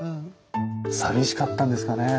寂しかったんですかね。